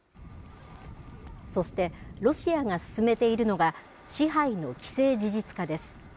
そして、ロシアが進めているのが、支配の既成事実化です。